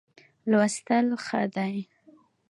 لوستل ښه دی.